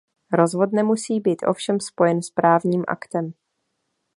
Rozvod nemusí být ovšem spojen s právním aktem.